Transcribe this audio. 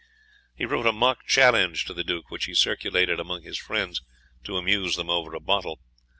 He wrote a mock challenge to the Duke, which he circulated among his friends to amuse them over a bottle.